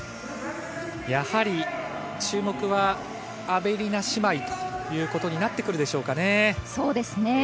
やはり注目はアベリナ姉妹ということになってくるでしょうかね。